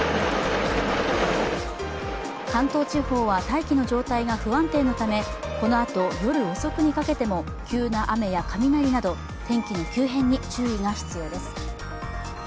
関東地方は大気の状態が不安定のためこのあと夜遅くにかけても急な雨や雷など天気の急変に注意が必要です。